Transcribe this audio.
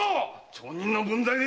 町人の分際で。